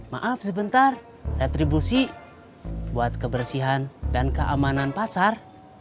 maaf sebentar retribusi buat kebersihan dan keamanan pasar